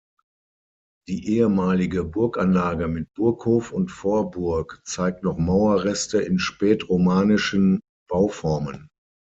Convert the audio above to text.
Die ehemalige Burganlage mit Burghof und Vorburg zeigt noch Mauerreste in spätromanischen Bauformen.